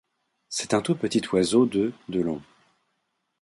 C'est un tout petit oiseau de de long.